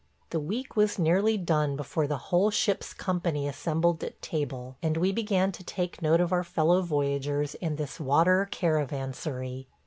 The week was nearly done before the whole ship's company assembled at table, and we began to take note of our fellow voyagers in this water caravansary.